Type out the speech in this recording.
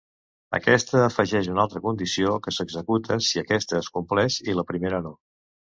Aquesta afegeix una altra condició que s'executa si aquesta es compleix i la primera no.